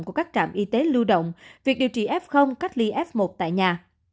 của các trạm y tế lưu động việc điều trị f cách ly f một tại nhà